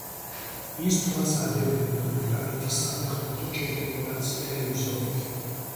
ის თვალს ადევნებდა ბრიტანეთის საფეხბურთო ჩემპიონატს ტელევიზორით.